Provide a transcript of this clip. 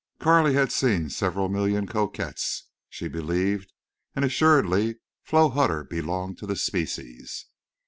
Carley had seen several million coquettes, she believed; and assuredly Flo Hutter belonged to the species.